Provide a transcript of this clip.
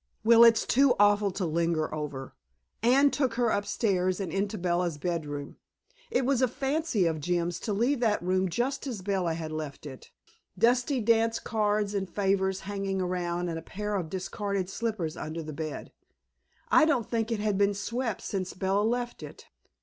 Well, it's too awful to linger over. Anne took her upstairs and into Bella's bedroom. It was a fancy of Jim's to leave that room just as Bella had left it, dusty dance cards and favors hanging around and a pair of discarded slippers under the bed. I don't think it had been swept since Bella left it.